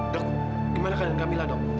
dok gimana keadaan kamila dok